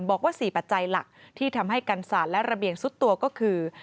บอกว่า๔ปัจจัยหลักที่ทำให้กันศาสตร์และระเบียงซุดตัวก็คือ